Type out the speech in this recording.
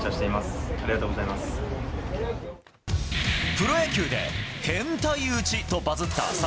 プロ野球で変態打ちとバズった侍